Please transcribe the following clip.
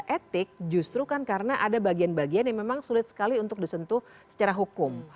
karena maka itu itu yang harus kita ketik justru kan karena ada bagian bagian yang memang sulit sekali untuk disentuh secara hukum